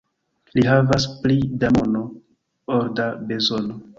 Li havas pli da mono ol da bezono.